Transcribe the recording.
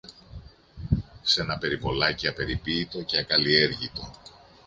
Σ' ένα περιβολάκι απεριποίητο και ακαλλιέργητο